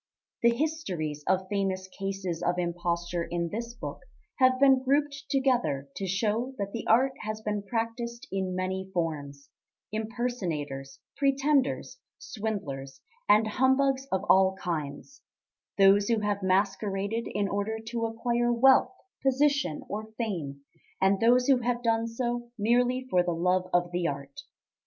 The histories of famous cases of imposture in this book have been grouped together to show that the art has been practised in many forms impersonators, pretenders, swindlers, and humbugs of all kinds; those who have masqueraded in order to acquire wealth, position, or fame, and those who have done so merely for the love of the art.